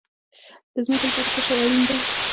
د ځمکې لپاره څه شی اړین دي؟